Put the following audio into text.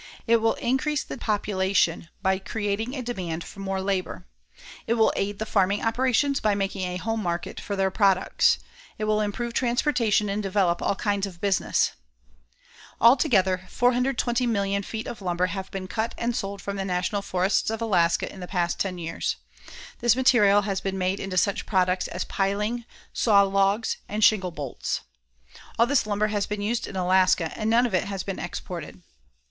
It will increase the population by creating a demand for more labor. It will aid the farming operations by making a home market for their products. It will improve transportation and develop all kinds of business. Altogether 420,000,000 feet of lumber have been cut and sold from the national forests of Alaska in the past ten years. This material has been made into such products as piling, saw logs and shingle bolts. All this lumber has been used in Alaska and none of it has been exported.